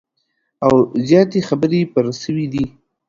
او زیاتي خبري پر سوي دي